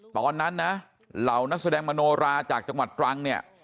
ตอนนั้นนะเหล่านักแสดงมโนราจากจังหวัดตรังเนี่ย